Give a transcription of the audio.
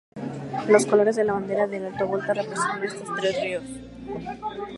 Los colores de la bandera del Alto Volta representan a estos tres ríos.